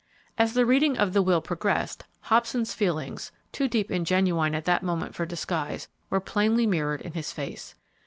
As the reading of the will progressed, Hobson's feelings, too deep and genuine at that moment for disguise, were plainly mirrored in his face.